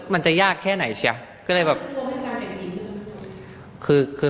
นางหนุ่มมองข้างหลังอีกแล้วเนี่ย